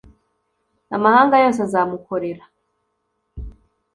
amahanga yose azamukorera